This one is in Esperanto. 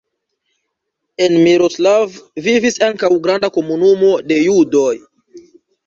En Miroslav vivis ankaŭ granda komunumo de judoj.